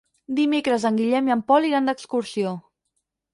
Dimecres en Guillem i en Pol iran d'excursió.